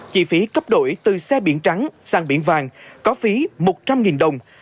chi phí cấp đổi từ xe biển trắng sang biển vàng có phí một trăm linh đồng